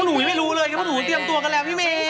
หนูยังไม่รู้เลยเพราะหนูเตรียมตัวกันแล้วพี่เมย์